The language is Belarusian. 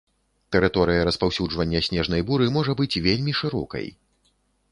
Тэрыторыя распаўсюджвання снежнай буры можа быць вельмі шырокай.